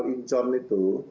di bandara incon itu